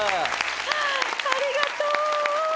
ありがとう！